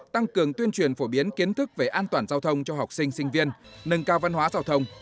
tăng cường tuyên truyền phổ biến kiến thức về an toàn giao thông cho học sinh sinh viên nâng cao văn hóa giao thông